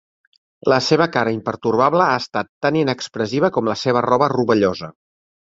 La seva cara impertorbable ha estat tan inexpressiva com la seva roba rovellosa.